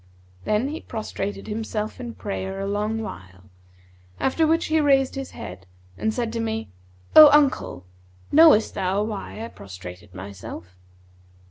Then he prostrated himself in prayer a long while, after which he raised his head and said to me, 'O uncle, knowest thou why I prostrated myself?'